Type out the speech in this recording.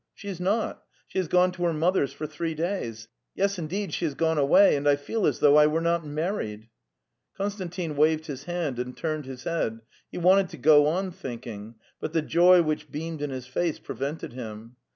'' She is not; she has gone to her mother's for three days! Yes, indeed, she has gone away, and I feel as though I were not married. ; Konstantin waved his hand and tuened his head; he wanted to go on thinking, but the joy which beamed in his face prevented him.